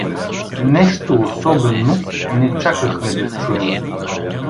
Нещо особено не чакахме да чуем.